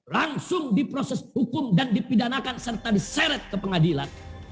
langsung diproses hukum dan dipidanakan serta diseret ke pengadilan